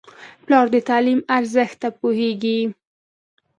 پلار د تعلیم ارزښت ته پوهېږي.